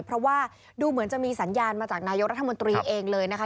เพราะว่าดูเหมือนจะมีสัญญาณมาจากนายกรัฐมนตรีเองเลยนะคะ